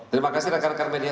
terima kasih rekan rekan media